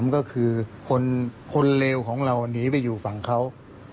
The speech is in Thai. ก็คือคนเลวของเราหนีไปอยู่ฝั่งเขา